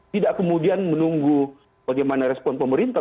tidak kemudian menunggu bagaimana respon pemerintah